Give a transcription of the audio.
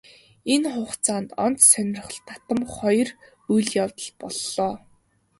Энэ хугацаанд онц сонирхол татам хоёр үйл явдал боллоо.